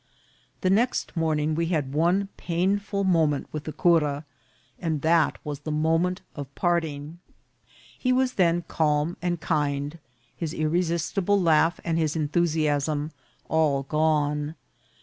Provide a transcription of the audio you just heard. The next morning we had one painful moment with the cura, and that was the moment of parting. He was then calm and kind, his irresistible laugh and his en thusiasm all gone.